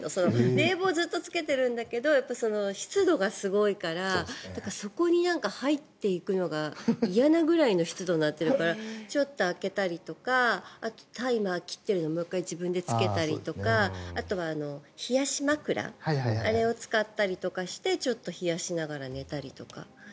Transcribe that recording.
冷房をずっとつけてるんだけど湿度がすごいからそこに入っていくのが嫌なぐらいの湿度になっているからちょっと開けたりとかあとタイマーを切っているのにもう１回、自分でつけたりとかあとは冷やし枕あれを使ったりとかしてちょっと冷やしながら寝たりとか。